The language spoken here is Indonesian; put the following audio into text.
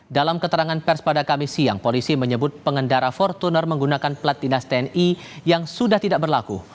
dalam keterangan pers pada kamis siang polisi menyebut pengendara fortuner menggunakan plat dinas tni yang sudah tidak berlaku